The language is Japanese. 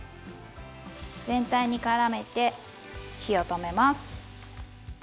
全体に絡めて火を止めます。